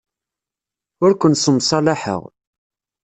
Ur ken-ssemṣalaḥeɣ.